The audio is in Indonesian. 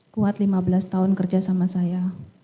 kuat lima belas tahun kerja sama saya